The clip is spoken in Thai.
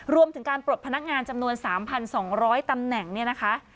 รวมถึงการปลดพนักงานจำนวน๓๒๐๐ตำแหน่ง